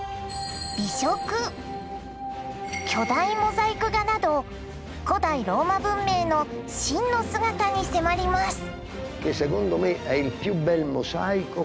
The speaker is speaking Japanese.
美食巨大モザイク画など古代ローマ文明の真の姿に迫ります。